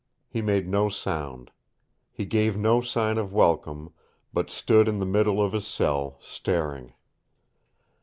He made no sound. He gave no sign of welcome, but stood in the middle of his cell, staring.